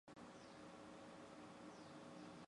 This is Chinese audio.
授刑部主事。